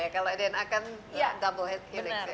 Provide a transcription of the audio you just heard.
kalau dna kan double helix